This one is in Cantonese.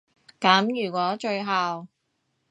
噉如果最後